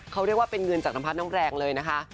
เขาเรียกว่าเป็นเงินจากน้ำพัดน้ำแรงเลยนะคะ